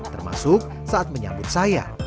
termasuk saat menyambut saya